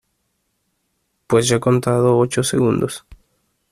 pues yo he contado ocho segundos.